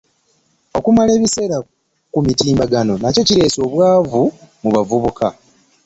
Okumala ebiseera ku mitimbagano nakyo kireese obwavu mu bavubuka.